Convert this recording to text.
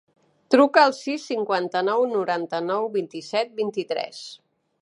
Truca al sis, cinquanta-nou, noranta-nou, vint-i-set, vint-i-tres.